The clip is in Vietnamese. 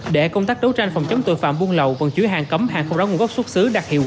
để công tác đấu tranh phòng chống tội phạm buôn lậu